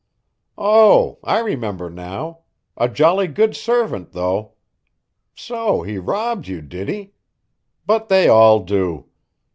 "Oh, I remember now. A jolly good servant, though. So he robbed you, did he? But they all do."